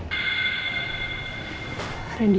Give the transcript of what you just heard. apakah tepat saya bicara soal bu andin